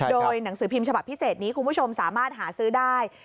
โดยหนังสือพิมพ์ฉบับพิเศษนี้คุณผู้ชมสามารถหาซื้อได้